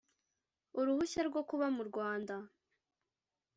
uruhushya rwo kuba mu rwanda